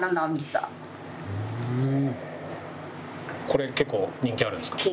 これ結構人気あるんですか？